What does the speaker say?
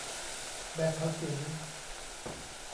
แบบภาษี